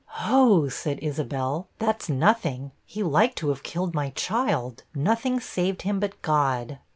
'Ho,' said Isabel, 'that's nothing he liked to have killed my child; nothing saved him but God.'